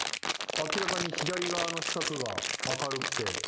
明らかに左側の四角が明るくて。